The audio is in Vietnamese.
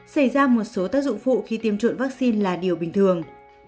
xảy ra một số tác dụng phụ khi tiêm chủng vaccine là điều bình thường